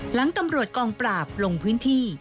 หลังตำรวจกองปราบลงพื้นที่